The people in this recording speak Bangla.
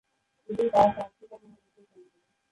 এদের বাস আফ্রিকা মহাদেশের জঙ্গলে।